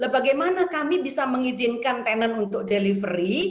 bagaimana kami bisa mengizinkan tenan untuk delivery